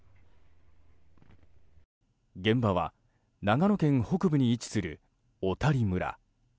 現場は長野県北部に位置する小谷村。